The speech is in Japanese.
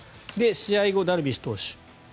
試合後、ダルビッシュ投手。